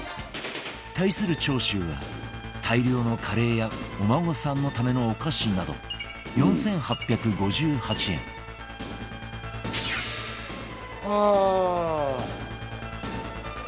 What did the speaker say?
対する長州は大量のカレーやお孫さんのためのお菓子など４８５８円ハア。